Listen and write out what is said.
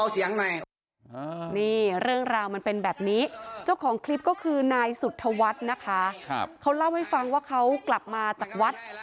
อ่างงน้ำปลาอะไรอ่ะอ่าน้ำปลาอะไรเนี้ยน้ำปลาอะไรเนี้ย